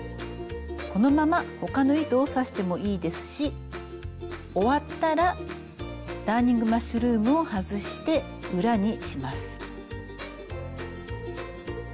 このまま他の糸を刺してもいいですし終わったらダーニングマッシュルームを外して裏にします。